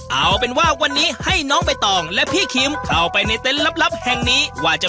เอาเป็นว่าวันนี้ให้น้องใบตองและพี่คิมเข้าไปในเต็นต์ลับแห่งนี้ว่าจะ